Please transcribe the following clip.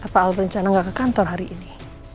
pak alde rencana nggak ke kantor hari ini